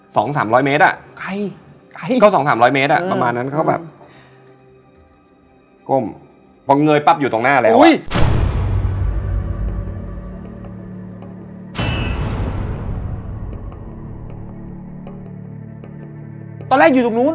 สองสามร้อยเมตรครับไข่ไข่